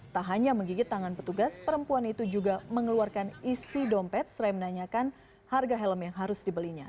tak hanya menggigit tangan petugas perempuan itu juga mengeluarkan isi dompet selain menanyakan harga helm yang harus dibelinya